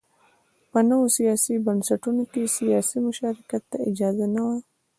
په نویو سیاسي بنسټونو کې سیاسي مشارکت ته اجازه نه وه.